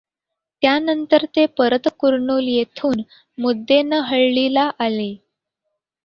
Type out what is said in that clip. त्यानंतर ते परतकुर्नुल येथुन मुद्देनहळ्ळी ला आले.